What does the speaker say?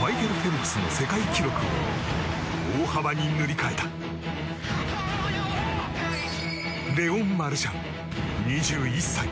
マイケル・フェルプスの世界記録を大幅に塗り替えたレオン・マルシャン、２１歳。